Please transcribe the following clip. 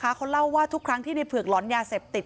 เขาเล่าว่าทุกครั้งที่ในเผือกหลอนยาเสพติด